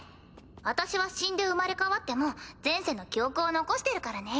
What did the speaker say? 私は死んで生まれ変わっても前世の記憶を残してるからね。